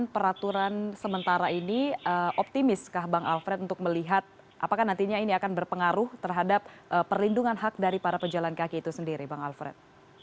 dan peraturan sementara ini optimis kah pak alfred untuk melihat apakah nantinya ini akan berpengaruh terhadap perlindungan hak dari para pejalan kaki itu sendiri pak alfred